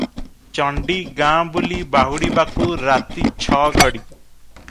ଚଣ୍ଡୀ ଗାଁ ବୁଲି ବାହୁଡ଼ିବାକୁ ରାତି ଛ ଘଡ଼ି ।